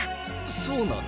そうなの？